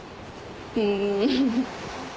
うん。